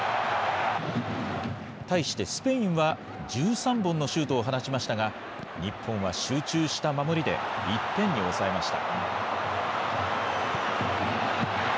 対してスペインは、１３本のシュートを放ちましたが、日本は集中した守りで１点に抑えました。